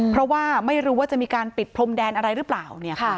เพราะว่าไม่รู้ว่าจะมีการปิดพรมแดนอะไรหรือเปล่า